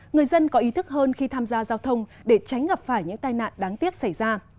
người dân có ý thức hơn khi tham gia giao thông để tránh gặp phải những tai nạn đáng tiếc xảy ra